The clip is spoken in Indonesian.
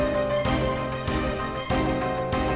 dan bisa melewati segala